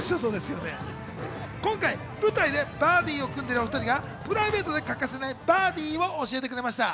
今回、舞台でバディを組んでいるお２人がプライベートで欠かせないバディを教えてくれました。